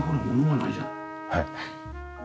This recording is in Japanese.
はい。